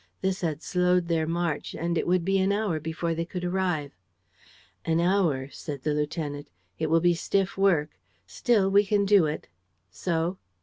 This had slowed their march; and it would be an hour before they could arrive. "An hour," said the lieutenant. "It will be stiff work. Still, we can do it. So ..."